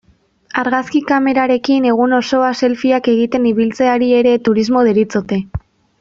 Argazki kamerekin egun osoa selfieak egiten ibiltzeari ere turismo deritzote.